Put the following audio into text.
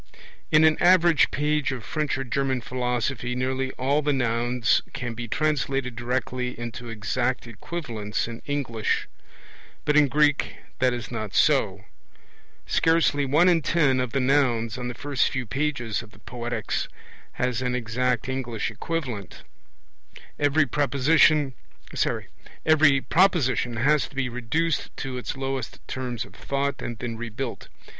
In an average page of French or German philosophy nearly all the nouns can be translated directly into exact equivalents in English; but in Greek that is not so. Scarcely one in ten of the nouns on the first few pages of the Poetics has an exact English equivalent. Every proposition has to be reduced to its lowest terms of thought and then re built.